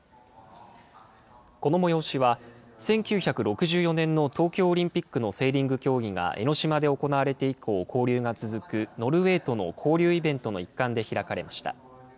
この催しは１９６４年の東京オリンピックのセーリング競技が江の島で行われて以降、交流が続くノルウェーとの交流イベントの一環で開かれました。